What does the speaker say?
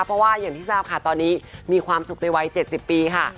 เพราะว่าอย่างที่ทราบค่ะตอนนี้มีความสุขในวัย๗๐ปีค่ะ